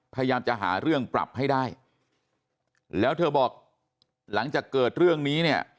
พยายามจะหาเรื่องปรับให้ได้แล้วเธอบอกหลังจากเกิดเรื่องนี้เนี่ย